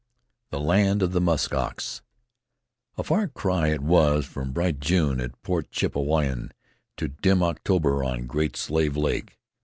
THE LAND OF THE MUSK OX A far cry it was from bright June at Port Chippewayan to dim October on Great Slave Lake.